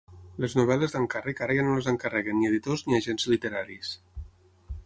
Les novel·les d'encàrrec ara ja no les encarreguen ni editors ni agents literaris.